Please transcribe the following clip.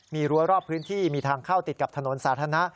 มีรั้วรอบพื้นที่มีทางเข้าติดกับถนนสาธารณะ